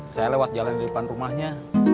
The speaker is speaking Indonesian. saya lewat jalan di depan rumahnya